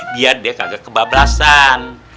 biar dia kagak kebablasan